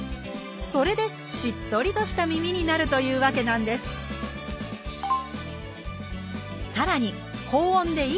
それでしっとりとしたみみになるというわけなんですさらにすごい！